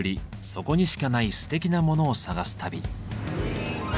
そこにしかないすてきなモノを探す旅。